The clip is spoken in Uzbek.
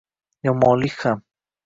Yomonlik ham